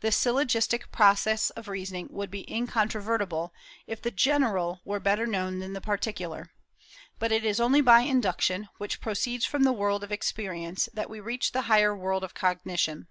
This syllogistic process of reasoning would be incontrovertible, if the general were better known than the particular; but it is only by induction, which proceeds from the world of experience, that we reach the higher world of cognition.